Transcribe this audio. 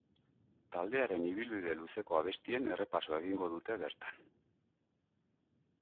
Taldearen ibilbide luzeko abestien errepasoa egingo dute bertan.